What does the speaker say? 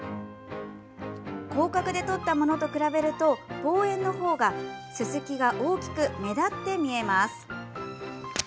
広角で撮ったものと比べると望遠の方がススキが大きく目立って見えます。